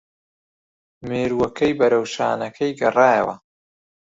مێرووەکەی بەرەو شانەکەی گەڕایەوە